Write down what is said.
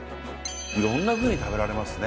いろんなふうに食べられますね。